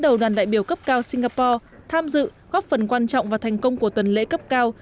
đầu đoàn đại biểu cấp cao singapore tham dự góp phần quan trọng và thành công của tuần lễ cấp cao